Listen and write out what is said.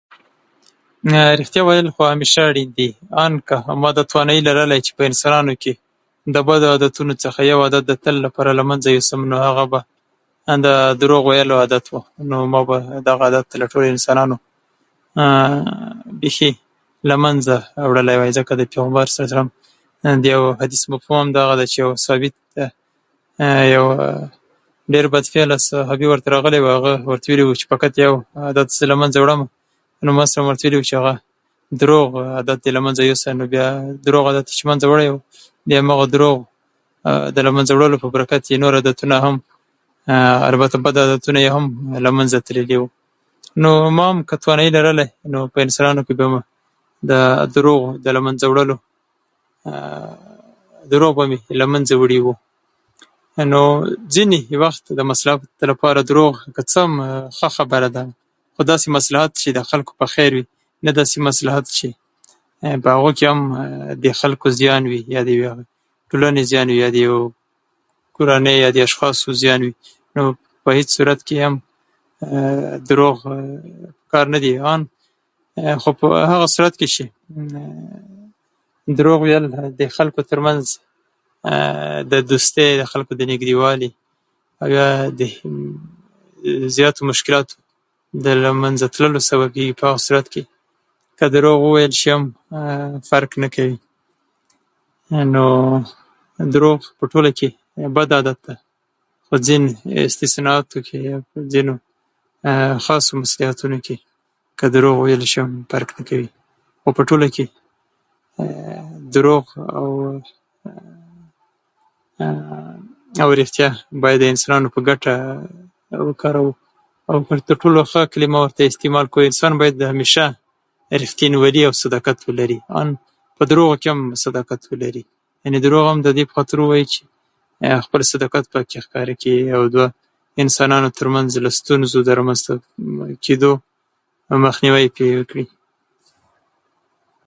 ریښتیا ویل خو همېشه اړین دي، ان که ما دا توانايي لرلی چې په انسانانو کې د بدو عادتونو څخه یو عادت د تل لپاره له منځه یوسم، نو هغه به همدا د دروغو ویلو عادت. نو ما به دا عادت له ټولو انسانو بیخي له منځه وړلای وای، ځکه د پیغمبر ص د یو حدیث مفهوم ده چې یو صحابي ته یو ډېر بدفعله صحابي ورته راغلی و، نو هغه ورته ویلي وو چې فقط یو عادت زه له منځه وړم. نو محمد ص ورته ویلي وو چې د دروغو عادت دې له منځه یوسه. نو د دروغو عادت دې یې چې له منځه وړی و، نو بیا هماغه دروغ د له منځه وړلو په برکت یې نور عادتونه هم البته بد عادتونه یې هم له منځه تللي وو. نو ما هم که توانايي لرلای، په انسانانو کې د دروغو د له منځه وړلو دروغ به مې له منځه وړي وو. نو ځینې وخت د مصلحت لپاره دروغ که څه هم ښه خبره ده، خو داسې مصلحت چې د خلکو په خیر وي، نه داسې مصلحت چې په هغو کې هم د خلکو زیان وي، یا د ټولنې زیان وي، یا د یو، یا د کورنۍ یا اشخاصو زیان وي. په هېڅ صورت کې هم دروغ په کار نه دي، ان خو په هغه صورت کې چې دروغ ویل د خلکو تر منځ د دوستۍ یا د خلکو د نږدېوالي او یا د یو، یا د زیاتو مشکلاتو د له منځه تللو سبب کېږي، په هغه صورت کې که دروغ وویل شي هم فرق نه کوي. نو دروغ په ټولو کې بد عادت ده، خو ځینې استثنااتو کې او په ځینو خاصو مصلحتونو کې که دروغ وویل شي هم فرق نه کوي. او په ټوله کې دروغ او او ریښتیا باید د انسانانو په ګټه وکاروو، او تر ټولو ښه کلیمه ورته استعمال کړو. انسان باید همېشه ریښتینولي او صداقت ولري، ان په دروغو کې هم صداقت ولري، او دروغ هم د دې لپاره ووايي چې خپل صداقت پکې ښکاره کړي، او دوه انسانانو تر منځ د ستونزو د رامنځته کېدو مخنیوی پرې وکړي. ریښتیا ویل خو همېشه اړین دي، ان که ما دا توانايي لرلی چې په انسانانو کې د بدو عادتونو څخه یو عادت د تل لپاره له منځه یوسم، نو هغه به همدا د دروغو ویلو عادت. نو ما به دا عادت له ټولو انسانو بیخي له منځه وړلای وای، ځکه د پیغمبر ص د یو حدیث مفهوم ده چې یو صحابي ته یو ډېر بدفعله صحابي ورته راغلی و، نو هغه ورته ویلي وو چې فقط یو عادت زه له منځه وړم. نو محمد ص ورته ویلي وو چې د دروغو عادت دې له منځه یوسه. نو د دروغو عادت دې یې چې له منځه وړی و، نو بیا هماغه دروغ د له منځه وړلو په برکت یې نور عادتونه هم البته بد عادتونه یې هم له منځه تللي وو. نو ما هم که توانايي لرلای، په انسانانو کې د دروغو د له منځه وړلو دروغ به مې له منځه وړي وو. نو ځینې وخت د مصلحت لپاره دروغ که څه هم ښه خبره ده، خو داسې مصلحت چې د خلکو په خیر وي، نه داسې مصلحت چې په هغو کې هم د خلکو زیان وي، یا د ټولنې زیان وي، یا د یو، یا د کورنۍ یا اشخاصو زیان وي. په هېڅ صورت کې هم دروغ په کار نه دي، ان خو په هغه صورت کې چې دروغ ویل د خلکو تر منځ د دوستۍ یا د خلکو د نږدېوالي او یا د یو، یا د زیاتو مشکلاتو د له منځه تللو سبب کېږي، په هغه صورت کې که دروغ وویل شي هم فرق نه کوي. نو دروغ په ټولو کې بد عادت ده، خو ځینې استثنااتو کې او په ځینو خاصو مصلحتونو کې که دروغ وویل شي هم فرق نه کوي. او په ټوله کې دروغ او او ریښتیا باید د انسانانو په ګټه وکاروو، او تر ټولو ښه کلیمه ورته استعمال کړو. انسان باید همېشه ریښتینولي او صداقت ولري، ان په دروغو کې هم صداقت ولري، او دروغ هم د دې لپاره ووايي چې خپل صداقت پکې ښکاره کړي، او دوه انسانانو تر منځ د ستونزو د رامنځته کېدو مخنیوی پرې وکړي.